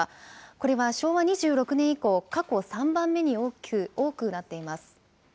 これは昭和２６年以降、過去３番目に多くなっています。